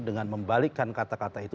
dengan membalikkan kata kata itu